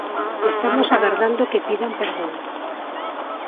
Estamos agardando que pidan perdón.